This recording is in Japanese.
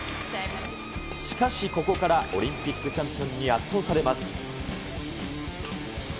しかしここからオリンピックチャンピオンに圧倒されます。